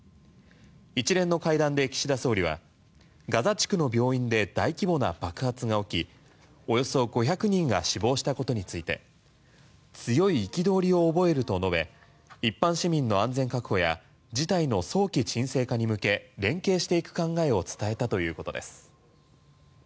一連の会談で岸田総理はガザ地区の病院で大規模な爆発が起きおよそ５００人が死亡したことについて強い憤りを覚えると述べ一般市民の安全確保や事態の早期鎮静化に向け連携していく考えを伝えたということです。